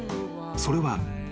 ［それは］